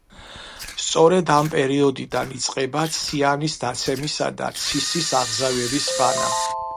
სწორედ ამ პერიოდიდან იწყება ციანის დაცემისა და ცისის აღზევების ხანა.